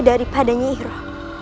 daripada nyi iroh